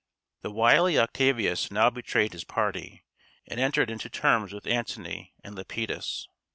The wily Octavius now betrayed his party, and entered into terms with Antony and Lepidus.